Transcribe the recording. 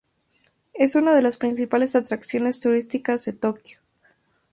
Es una de las principales atracciones turísticas de Tokio.